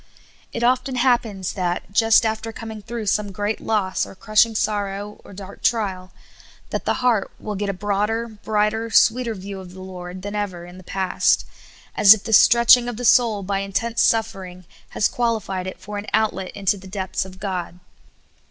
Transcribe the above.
It often happens that, just after coming through vsome great loss, or crushing sorrow, or dark trial, that the heart will get a broader, brighter, sweeter view of the Lord than ever in the past, as if the stretching of the soul by intense suffering has qualified it for an outlet into the depths of God.